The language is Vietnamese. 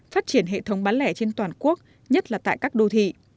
phát triển hệ thống bán lẻ trên toàn quốc nhất là tại các đô thị